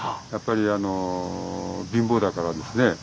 やっぱりあの貧乏だからですね